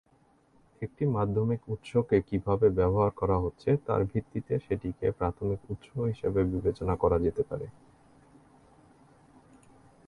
একটি মাধ্যমিক উৎসকে কীভাবে ব্যবহার করা হচ্ছে, তার ভিত্তিতে সেটিকে প্রাথমিক উৎস হিসেবে বিবেচনা করা যেতে পারে।